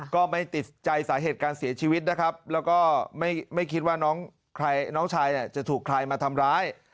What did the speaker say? ก็ไม่ติดใจสาเหตุการเสียชีวิตนะครับแล้วก็ไม่คิดว่าน้องชายจะถูกใครมาทำร้าย